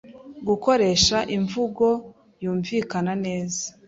Gukoresha imvugo yumvikana neza